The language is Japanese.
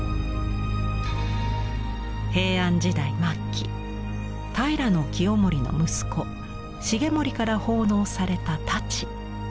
平安時代末期平清盛の息子重盛から奉納された太刀。